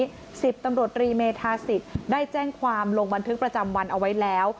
วันนี้๑๐ตำรวจรีเมธาศิกได้แจ้งความลงบันทึกประจำวันเอาไว้แล้ว